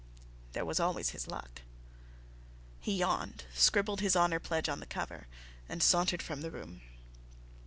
There was always his luck. He yawned, scribbled his honor pledge on the cover, and sauntered from the room.